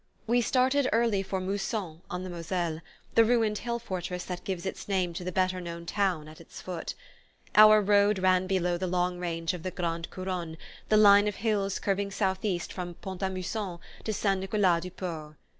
We started early for Mousson on the Moselle, the ruined hill fortress that gives its name to the better known town at its foot. Our road ran below the long range of the "Grand Couronne," the line of hills curving southeast from Pont a Mousson to St. Nicolas du Port.